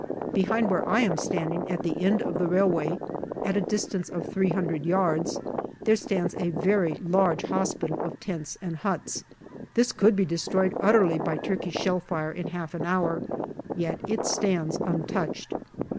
Behind where I am standing at the end of the railway, at a distance of three hundred yards, there stands a very large hospital of tents and huts. This could be destroyed utterly by Turkish shell fire in half an hour, yet it stands untouched.